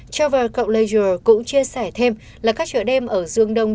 travel leisure cũng chia sẻ thêm là các chỗ đêm ở giương đông